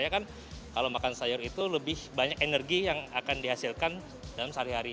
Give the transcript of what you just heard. kalau makan sayur itu lebih banyak energi yang akan dihasilkan dalam sehari hari